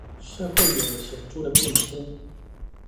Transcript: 社會有了顯著的變遷